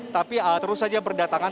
tapi terus saja berdatangan